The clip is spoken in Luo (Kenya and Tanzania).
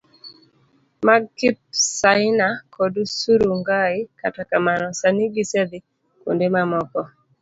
mag Kipsaina kod Surungai, kata kamano, sani gisedhi kuonde mamoko.